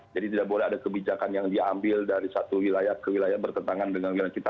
tidak boleh ada kebijakan yang diambil dari satu wilayah ke wilayah bertentangan dengan wilayah kita